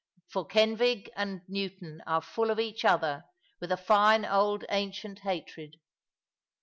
For Kenfig and Newton are full of each other, with a fine old ancient hatred.